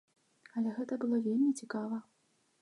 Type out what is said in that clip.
Але гэта было вельмі цікава.